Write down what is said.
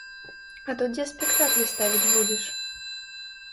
А то дзе спектаклі ставіць будзеш?